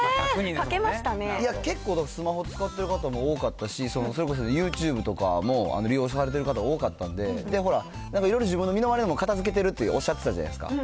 いや、結構スマホ使ってる方も多かったし、それこそ、ユーチューブとかも利用されてる方多かったんで、いろいろ自分の身の回りのものを片づけてるっておっしゃってたじゃないですか、